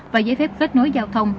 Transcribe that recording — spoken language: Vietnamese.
và giấy phép kết nối giao thông